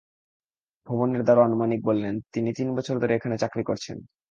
ভবনের দারোয়ান মানিক বললেন, তিনি তিন বছর ধরে এখানে চাকরি করছেন।